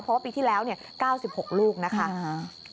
เพราะว่าปีที่แล้ว๙๖ลูกนะคะ